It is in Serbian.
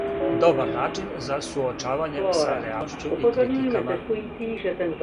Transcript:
Добар начин за суочавање са реалношћу и критикама.